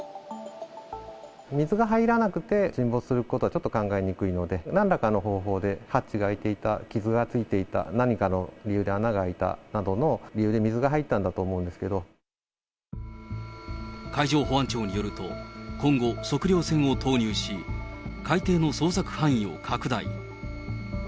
水が入らなくて沈没することはちょっと考えにくいので、なんらかの方法でハッチが開いていた、傷がついていた、何かの理由で穴が開いたなどの理由で、水が入ったんだと思うんで海上保安庁によると、今後、測量船を投入し、海底の捜索範囲を拡大。